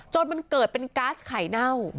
จนมันเกิดเป็นก๊าซไข่เน่า